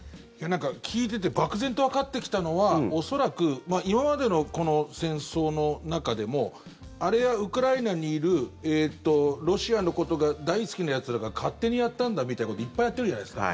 聞いていて漠然とわかってきたのは恐らく今までの戦争の中でもあれはウクライナにいるロシアのことが大好きなやつらが勝手にやったんだみたいなこといっぱいやってるじゃないですか。